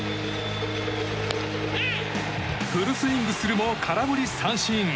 フルスイングするも空振り三振。